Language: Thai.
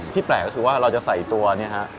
แปลกก็คือว่าเราจะใส่ตัวเนี่ยฮะ